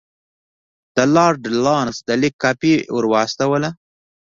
د لارډ لارنس د لیک کاپي ورواستوله.